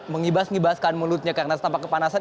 mengibaskan mulutnya karena tampak kepanasan